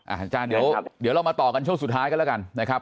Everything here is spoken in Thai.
อาจารย์เดี๋ยวเรามาต่อกันช่วงสุดท้ายกันแล้วกันนะครับ